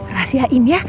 rasi haim ya